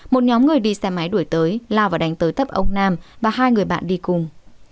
một nhóm người đi xe máy đuổi tới lao và đánh tới tấp ông nam và hai người bạn đi cùng